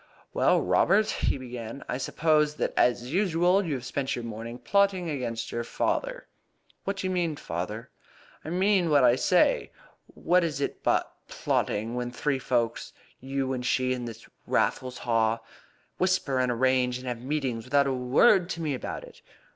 "Well, Robert," he began, "I suppose that, as usual, you have spent your morning plotting against your father?" "What do you mean, father?" "I mean what I say. What is it but plotting when three folk you and she and this Raffles Haw whisper and arrange and have meetings without a word to me about it?